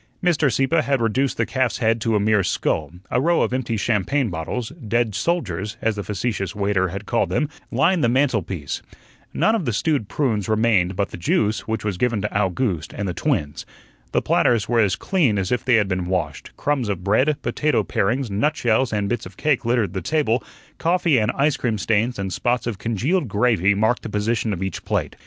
Mr. Sieppe had reduced the calf's head to a mere skull; a row of empty champagne bottles "dead soldiers," as the facetious waiter had called them lined the mantelpiece. Nothing of the stewed prunes remained but the juice, which was given to Owgooste and the twins. The platters were as clean as if they had been washed; crumbs of bread, potato parings, nutshells, and bits of cake littered the table; coffee and ice cream stains and spots of congealed gravy marked the position of each plate.